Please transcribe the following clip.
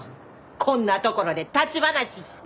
こんな所で立ち話して。